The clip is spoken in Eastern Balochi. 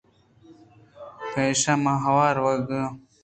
پمیشا من ہمود ءَ رواں